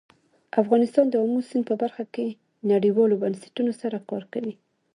افغانستان د آمو سیند په برخه کې نړیوالو بنسټونو سره کار کوي.